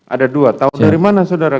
ada dua tahu dari mana saudara